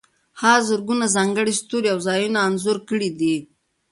هغه زرګونه ځانګړي ستوري او ځایونه انځور کړي دي.